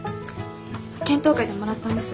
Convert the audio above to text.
検討会でもらったんです。